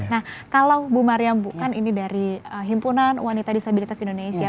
nah kalau bu mariam bukan ini dari himpunan wanita disabilitas indonesia